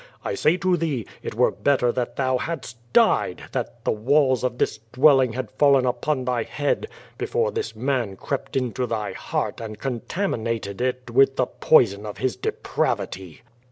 I S4iy to thee, it were better that thou liadst died, that the walls of this dwelling had fallen upon thy head before this man (Ti'pt into thy heart and contaminated it with the poison of his depravity.